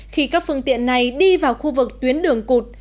khi các phương tiện này đi vào khu vực tuyến đường cụt